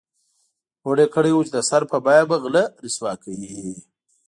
هوډ یې کړی و چې د سر په بیه به غله رسوا کوي.